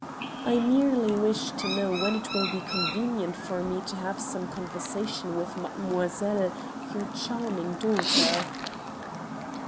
"I merely wish to know when it will be convenient for me to have some conversation with mademoiselle, your charming daughter?"